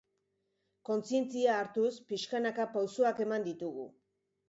Kontzientzia hartuz, pixkanaka pausoak eman ditugu.